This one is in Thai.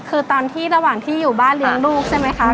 คือตอนที่ระหว่างที่อยู่บ้านเลี้ยงลูกใช่ไหมคะ